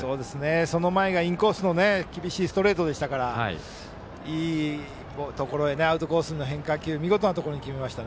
その前がインコースの厳しいストレートでしたからいいところにアウトコースの変化球見事なところに決めました。